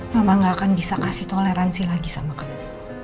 mama gak akan bisa kasih toleransi lagi sama kamu